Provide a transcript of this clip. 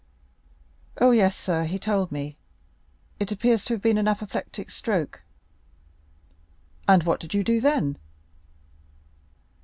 "Oh, yes, sir, he told me; it appears to have been an apoplectic stroke." "And what did you do then?"